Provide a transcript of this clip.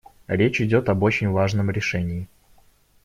Речь идет об очень важном решении.